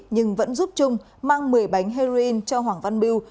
nhưng vẫn giúp trung mang một mươi bánh heroin cho hoàng văn biêu